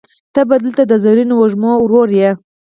ته به دلته د زرینو وږمو ورور یې